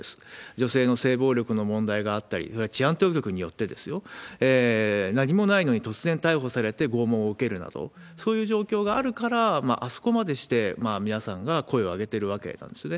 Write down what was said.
女性の性暴力の問題が合ったり、治安当局によってですよ。何もないのに突然逮捕されて拷問を受けるなど、そういう状況があるから、あそこまでして皆さんが声を上げてるわけなんですよね。